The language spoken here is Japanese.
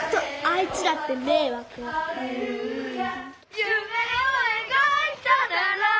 「夢を描いたなら」